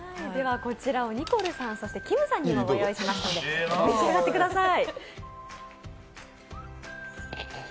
こちらをニコルさんきむさんにご用意しましたので召し上がってください。